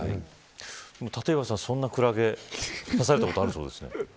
立岩さん、そんなクラゲに刺されたことあるそうですね。